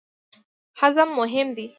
هضم مهم دی.